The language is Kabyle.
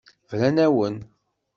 Bran-awen.